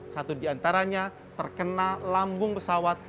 satu di antaranya terkena lambung pesawat